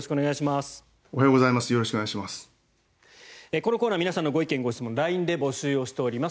このコーナー皆さんのご意見・ご質問をＬＩＮＥで募集しております。